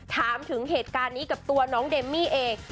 ถามถึงเหตุการณ์นี้กับตัวน้องเดมมี่เอง